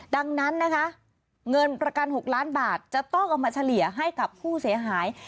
ดังนั้นนะคะเงินประกัน๖ล้านบาทจะต้องเอามาเฉลี่ยให้กับผู้เสียหาย